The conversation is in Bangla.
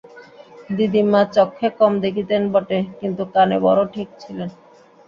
দিদিমা চক্ষে কম দেখিতেন বটে, কিন্তু কানে বড়ো ঠিক ছিলেন।